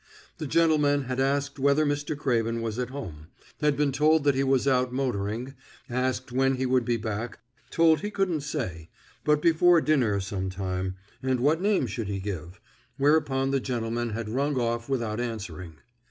The gentleman had asked whether Mr. Craven was at home, had been told that he was out motoring, asked when he would be back, told he couldn't say, but before dinner some time, and what name should he give, whereupon the gentleman had rung off without answering.